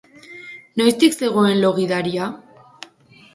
Noiztik zegoen lo gidaria?